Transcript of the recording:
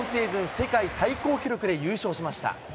世界最高記録で優勝しました。